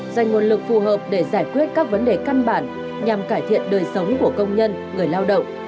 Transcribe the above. dành nguồn lực phù hợp để giải quyết các vấn đề căn bản nhằm cải thiện đời sống của công nhân người lao động